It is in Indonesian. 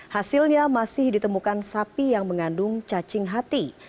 hasilnya masih ditemukan sapi yang mengandung cacing hati